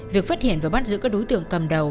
việc phát hiện và bắt giữ các đối tượng cầm đầu